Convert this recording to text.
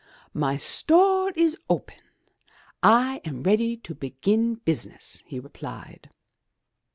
*' '*My store is open; I am ready to begin business," he replied.